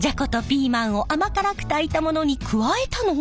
ピーマンを甘辛く炊いたものに加えたのは。